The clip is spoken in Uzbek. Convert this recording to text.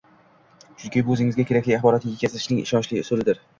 chunki bu o‘zingizga kerakli axborotni yetkazishning ishonchli usulidir.